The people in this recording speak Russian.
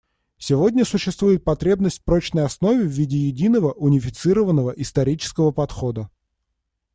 Сегодня существует потребность в прочной основе в виде единого, унифицированного исторического подхода.